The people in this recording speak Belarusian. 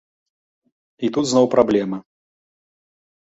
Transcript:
І тут зноў праблема.